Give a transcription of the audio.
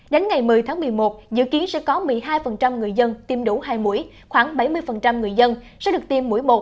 đến ngày một mươi tháng một mươi một dự kiến sẽ có một mươi hai người dân tiêm đủ hai mũi khoảng bảy mươi người dân sẽ được tiêm mũi một